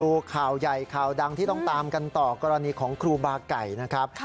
ดูข่าวใหญ่ข่าวดังที่ต้องตามกันต่อกรณีของครูบาไก่นะครับ